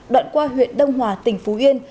đoạn qua huyện đông hòa tỉnh phú yên